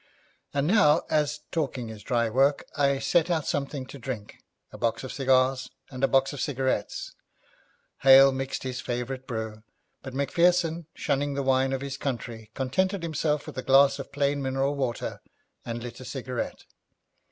And now, as talking is dry work, I set out something to drink, a box of cigars, and a box of cigarettes. Hale mixed his favourite brew, but Macpherson, shunning the wine of his country, contented himself with a glass of plain mineral water, and lit a cigarette.